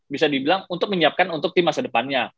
bisa dibilang untuk menyiapkan untuk tim masa depannya